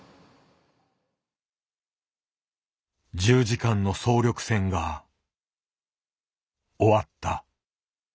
１０時間の総力戦が終わった。